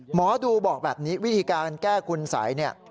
หมอดูบอกแบบนี้วิธีการแก้คุณสัยเนี่ย